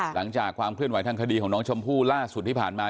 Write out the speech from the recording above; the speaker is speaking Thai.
ความเคลื่อนไหวทางคดีของน้องชมพู่ล่าสุดที่ผ่านมา